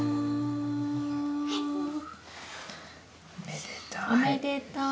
おめでとう。